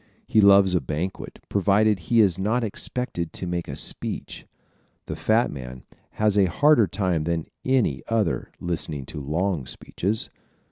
He loves a banquet, provided he is not expected to make a speech. The fat man has a harder time than any other listening to long speeches.